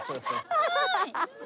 アハハハ！